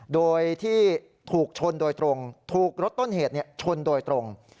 โดยที่ถูกชนโดยตรงถูกรถต้นเหตุชนโดยตรง